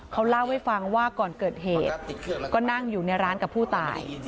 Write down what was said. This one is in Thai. เขาเล่าให้ฟังว่าก่อนเกิดเหตุก็นั่งอยู่ในร้านกับผู้ตาย